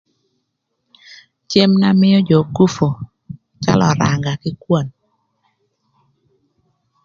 Cem na mïö jö gupu calö öranga kï kwon.